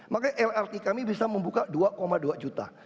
makanya lrt kami bisa membuka dua dua juta